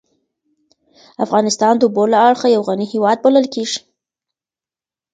افغانستان د اوبو له اړخه یو غنی هېواد بلل کېږی.